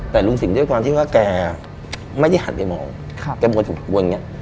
แต่ลุงสิ่งด้วยความที่ว่าแกไม่ได้หันไปมองแกบอกว่าจะปวนไง